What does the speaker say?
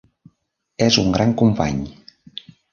És un gran company.